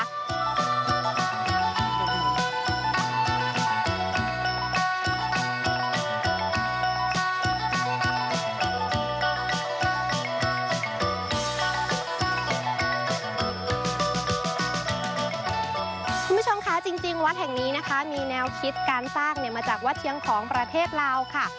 คุณผู้ชมคะจริงวัดแห่งนี้นะคะมีแนวคิดการสร้างเนี่ยมาจากวัดเชียงของประเทศลาวค่ะ